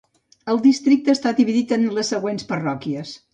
El districte està dividit en les següents parròquies.